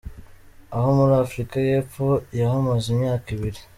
Aha muri Afrika y’Epfo yahamaze imyaka ibiri.